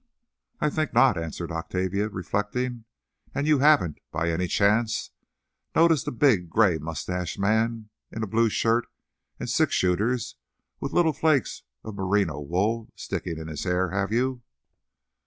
"I think not," answered Octavia, reflecting. "And you haven't, by any chance, noticed a big, gray mustached man in a blue shirt and six shooters, with little flakes of merino wool sticking in his hair, have you?"